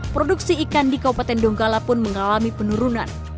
produksi ikan di kabupaten donggala pun mengalami penurunan